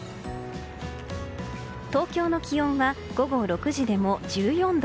東京の気温は午後６時でも１４度。